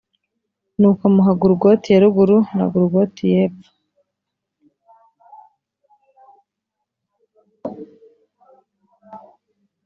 Nuko amuha Guloti ya Ruguru na Guloti y’Epfo.